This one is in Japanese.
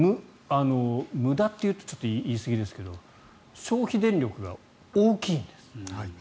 無駄というとちょっと言いすぎですけど消費電力が大きいんです。